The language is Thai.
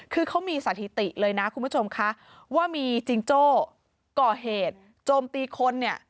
คือเขามีสถิติเลยนะคุณผู้ชมคะว่ามีจิงโจ้ก่อเหตุโจมตีคนเนี่ย